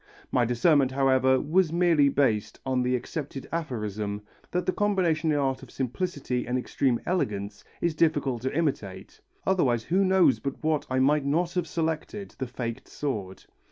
My discernment, however, was merely based on the accepted aphorism that the combination in art of simplicity and extreme elegance is difficult to imitate, otherwise who knows but what I might not have selected the faked sword.